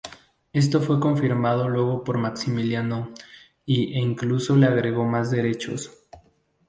Esto fue confirmado luego por Maximiliano I e incluso le agregó más derechos.